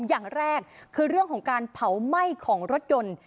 อย่างแรกคือเรื่องของการเผาไหม้ของรถยนต์